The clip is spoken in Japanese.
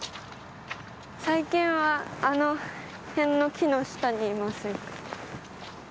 最近はあの辺の木の下にいます。